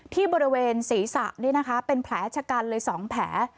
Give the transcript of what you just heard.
ที่บริเวณศีรษะนี่นะคะเป็นแผลชะกันเลย๒แผล